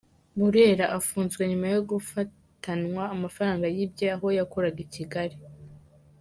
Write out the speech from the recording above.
Burera: Afunzwe nyuma yo gufatanwa amafaranga yibye aho yakoraga I Kigali.